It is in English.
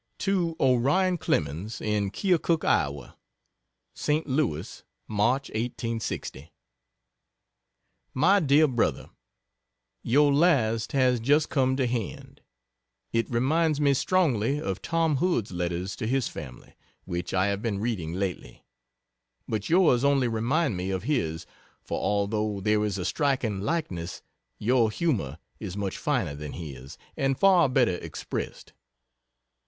To Orion Clemens, in Keokuk, Iowa: ST. LOUIS, Mch. 1860. MY DEAR BRO., Your last has just come to hand. It reminds me strongly of Tom Hood's letters to his family, (which I have been reading lately). But yours only remind me of his, for although there is a striking likeness, your humour is much finer than his, and far better expressed.